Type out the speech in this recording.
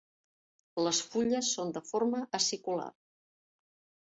Les fulles són de forma acicular.